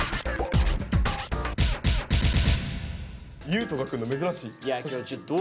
優斗が来んの珍しい。